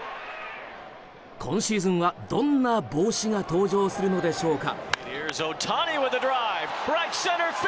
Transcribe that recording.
今シーズンは、どんな帽子が登場するのでしょうか。